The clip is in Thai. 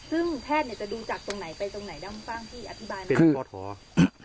ซึ่งแพทย์จะดูจากตรงไหนไปตรงไหนได้มั้งบ้างพี่อธิบายมั้ง